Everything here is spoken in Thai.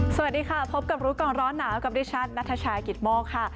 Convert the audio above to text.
สวัสดีค่ะพบกับรู้ก่อนร้อนหนาวกับดิฉันนัทชายกิตโมกค่ะ